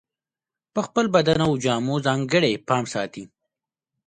په خپل بدن او جامو ځانګړی پام ساتي.